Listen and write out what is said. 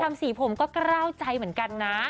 ทำสีผมก็กระร่าวใจเหมือนกันนะ